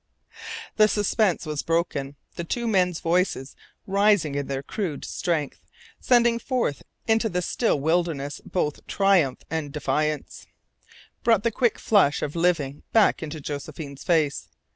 The suspense was broken. The two men's voices, rising in their crude strength, sending forth into the still wilderness both triumph and defiance, brought the quick flush of living back into Josephine's face.